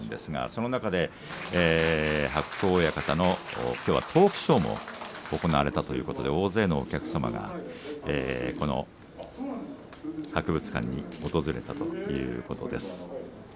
その中で白鵬親方のきょう、トークショーも行われたということで大勢のお客様がこの博物館に訪れたということです。